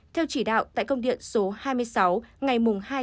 theo chỉ đạo tại công điện số hai mươi sáu ngày một